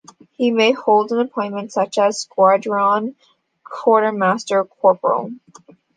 He may hold an appointment such as squadron quartermaster corporal.